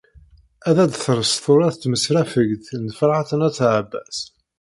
Ad d-tres tura tmesrafegt n Ferḥat n At Ɛebbas.